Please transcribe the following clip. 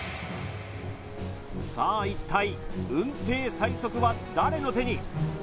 さあ一体うんてい最速は誰の手に？